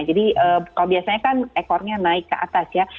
jadi kalau biasanya kan ekornya naik ke atas ya